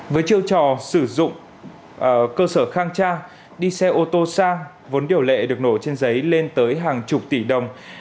với chiêu trò sử dụng cơ sở khang trang đi xe ô tô sang vốn điều lệ được nổ trên giấy lên tới hàng chục tỷ đồng